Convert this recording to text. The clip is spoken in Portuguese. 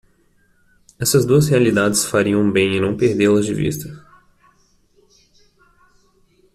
Essas duas realidades fariam bem em não perdê-las de vista.